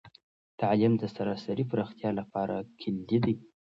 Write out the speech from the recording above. تعلیم د سراسري پراختیا لپاره کلیدي دی.